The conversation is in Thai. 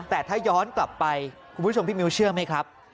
แต่ถ้าย้อนกลับไปคุณผู้ชมพี่มิวเชื่อไหมครับ